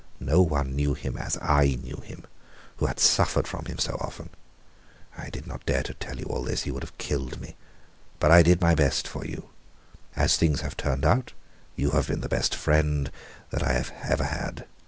No one knew him as I knew him, who had suffered from him so often. I did not dare to tell you all this. He would have killed me. But I did my best for you. As things have turned out, you have been the best friend that I have ever had.